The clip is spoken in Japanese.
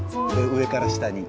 上から下に。